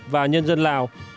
và nhân dân lào